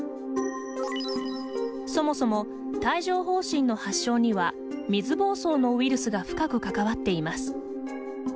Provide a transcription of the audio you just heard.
そもそも、帯状ほう疹の発症には水ぼうそうのウイルスが深く関わっています。